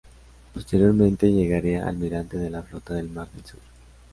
Posteriormente llegaría a almirante de la Flota del Mar del Sur.